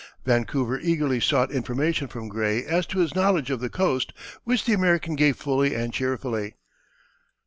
Vancouver eagerly sought information from Gray as to his knowledge of the coast, which the American gave fully and cheerfully.